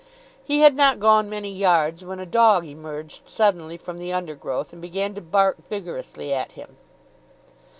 He had not gone many yards when a dog emerged suddenly from the undergrowth, and began to bark vigorously at him.